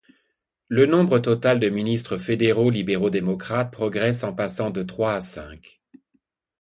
Le nombre total de ministres fédéraux libéraux-démocrates progresse en passant de trois à cinq.